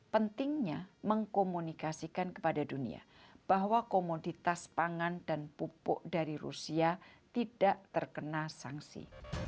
pentingnya mengkomunikasikan kepada dunia bahwa komoditas pangan dan pupuk dari rusia tidak terkena sanksi